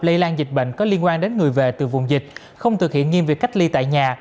lây lan dịch bệnh có liên quan đến người về từ vùng dịch không thực hiện nghiêm việc cách ly tại nhà